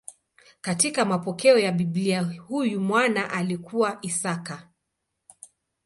Katika mapokeo ya Biblia huyu mwana alikuwa Isaka.